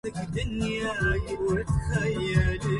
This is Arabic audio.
قد مررنا بزحول يوم دجن